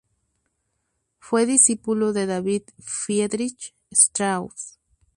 Fue discípulo de David Friedrich Strauss.